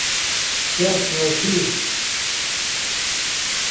شست وشو